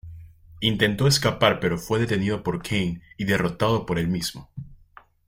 Intento escapar pero fue detenido por Kane y derrotado por el mismo.